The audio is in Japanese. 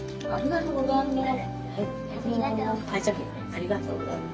ありがとうございます。